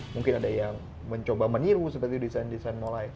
mungkin ada yang mencoba meniru seperti desain desain mulai